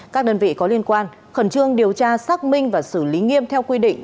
các đơn vị có liên quan khẩn trương điều tra xác minh và xử lý nghiêm theo quy định